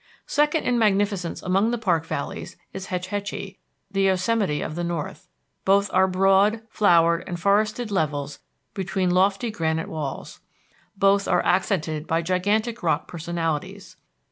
Second in magnificence among the park valleys is Hetch Hetchy, the Yosemite of the north. Both are broad, flowered and forested levels between lofty granite walls. Both are accented by gigantic rock personalities.